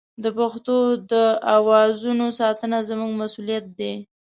د پښتو د اوازونو ساتنه زموږ مسوولیت دی.